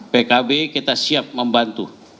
pkb kita siap membantu